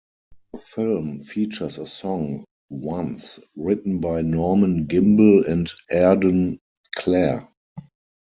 The film features a song "Once", written by Norman Gimbel and Arden Clar.